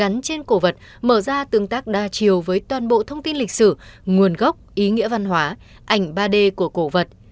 gắn trên cổ vật mở ra tương tác đa chiều với toàn bộ thông tin lịch sử nguồn gốc ý nghĩa văn hóa ảnh ba d của cổ vật